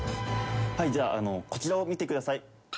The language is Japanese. じゃあ、こちらを見てください。